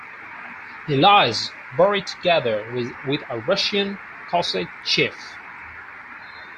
He lies buried together with a Russian cossack chief.